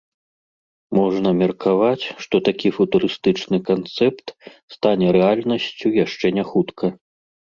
Можна меркаваць, што такі футурыстычны канцэпт стане рэальнасцю яшчэ не хутка.